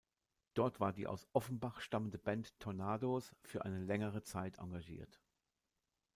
Dort war die aus Offenbach stammende Band "Tornados" für eine längere Zeit engagiert.